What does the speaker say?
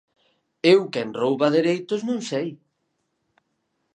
Eu quen rouba dereitos non sei.